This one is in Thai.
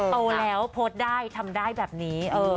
โตแล้วโพสต์ได้ทำได้แบบนี้